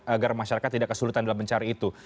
agar masyarakat tidak kesulitan dalam mencari itu